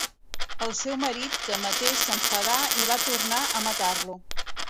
El seu marit, tanmateix, s'enfadà i va tornar a matar-lo.